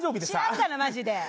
知らんがなマジで。